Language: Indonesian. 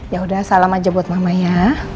yaudah salam aja buat mama ya